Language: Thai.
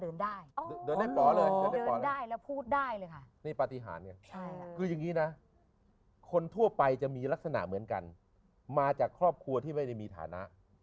มากลัวค่ะมาจากครอบครัวที่ไม่ได้มีฐานะ